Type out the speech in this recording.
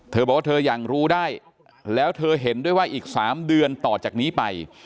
บอกว่าเธอยังรู้ได้แล้วเธอเห็นด้วยว่าอีก๓เดือนต่อจากนี้ไป